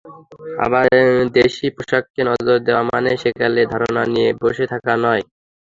আবার দেশি পোশাকে নজর দেওয়া মানে সেকেলে ধারণা নিয়ে বসে থাকা নয়।